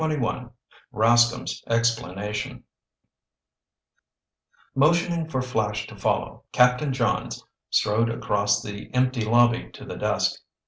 CHAPTER XXI RASCOMB'S EXPLANATION Motioning for Flash to follow, Captain Johns strode across the empty lobby to the desk.